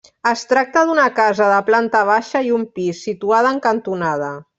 Es tracta d'una casa de planta baixa i un pis, situada en cantonada.